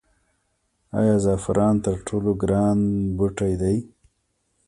آیا زعفران تر ټولو ګران بوټی دی؟